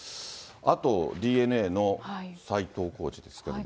あと、ＤｅＮＡの斎藤コーチですけれども。